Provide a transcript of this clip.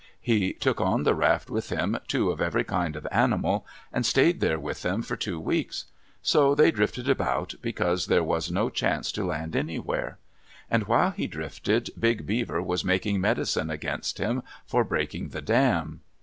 He took on the raft with him two of every kind of animal, and stayed there with them for two weeks. So they drifted about because there was no chance to land anywhere. And while he drifted, Big Beaver was making medicine against him for breaking the dam.